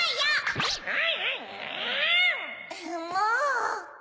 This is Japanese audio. もう。